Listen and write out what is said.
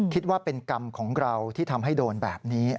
คิดว่าเป็นกรรมของเราที่ทำให้โดนแบบนี้